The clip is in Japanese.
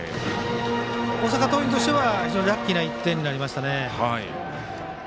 大阪桐蔭としては非常にラッキーな１点になりましたね。